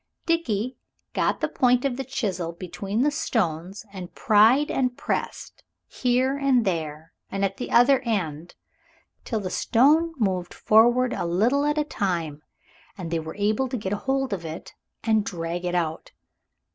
Dickie got the point of the chisel between the stones and pried and pressed here and there, and at the other end till the stone moved forward a little at a time, and they were able to get hold of it, and drag it out.